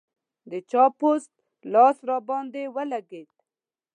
د چا پوست لاس راباندې ولګېد.